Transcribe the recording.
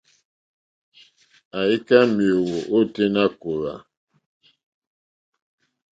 Àyíkâ méěyó ôténá kòòhwà.